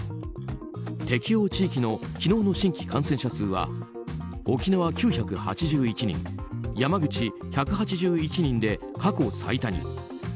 適用地域の昨日の新規感染者数は沖縄、９８１人山口、１８１人で過去最多に。